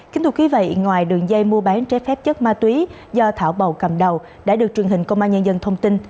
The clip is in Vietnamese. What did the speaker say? kính thủ ký vậy ngoài đường dây mua bán trái phép chất ma túy do thảo bầu cầm đầu đã được truyền hình công an nhân dân thông tin